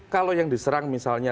kalau yang diserang misalnya